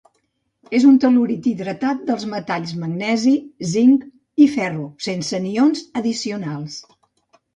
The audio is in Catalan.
És un tel·lurit hidratat dels metalls magnesi, zinc i ferro, sense anions addicionals.